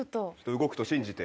動くと信じて。